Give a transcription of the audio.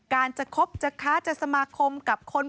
การจะคบจะค้าจะสมาคมกับคนพวกนี้ขอให้คิดให้ดี